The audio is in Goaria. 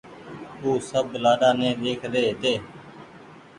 او سب لآڏآ ني ۮيک رهي هيتي